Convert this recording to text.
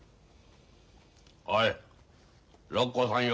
おい六甲さんよ。